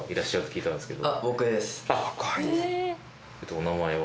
お名前は？